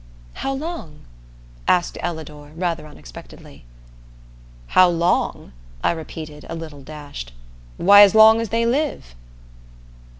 "How long?" asked Ellador, rather unexpectedly. "How long?" I repeated, a little dashed. "Why as long as they live."